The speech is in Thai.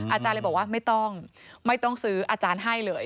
อาจารย์เลยบอกว่าไม่ต้องไม่ต้องซื้ออาจารย์ให้เลย